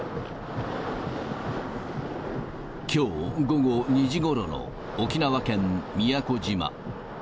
きょう午後２時ごろの沖縄県宮古島。